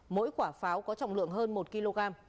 mỗi quả pháo có trọng lượng hơn một kg